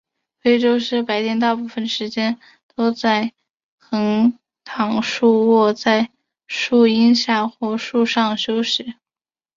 非洲狮白天大部分时间都横躺竖卧在树荫下或树上休息。